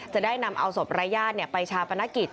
จะได้นำเอาศพรายญาติไปชาปนกิจ